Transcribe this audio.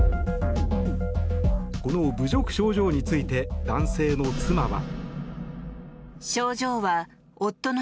この侮辱賞状について男性の妻は。